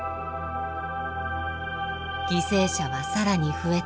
犠牲者は更に増え続け